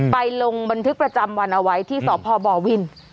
ลงบันทึกประจำวันเอาไว้ที่สพบวิน